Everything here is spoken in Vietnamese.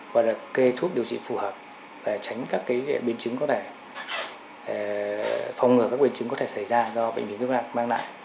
và được kê thuốc điều trị phù hợp để tránh các biến chứng có thể phòng ngừa các biến chứng có thể xảy ra do bệnh viêm kết mạc mang lại